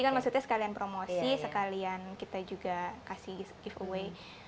kan maksudnya sekalian promosi sekalian kita juga kasih giveaway